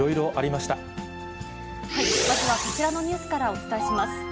まずはこちらのニュースからお伝えします。